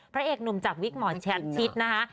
พระเอกหนุ่มจากวิทย์หมอชาติชิตนะคะ